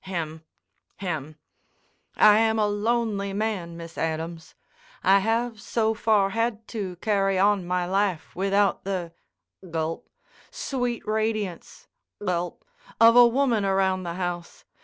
Hem. Hem. I am a lonely man, Miss Adams. I have so far had to carry on my life without the"—gulp—"sweet radiance"—gulp—"of a woman around the house.